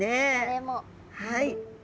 はい。